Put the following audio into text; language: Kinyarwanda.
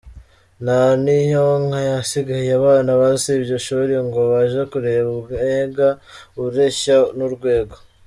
Nta n’iyonka yasigaye, abana basibye ishuri ngo baje kureba umwega ureshya n’urwego!